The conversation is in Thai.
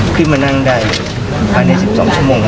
ขึ้นมานั่งได้ภายใน๑๒ชั่วโมง